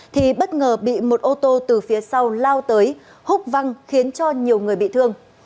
thì bất ngờ bị một ô tô từ phía sau lao tới húc văng khiến cho nhiều người bị thương